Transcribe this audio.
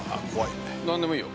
◆何でもいいよ。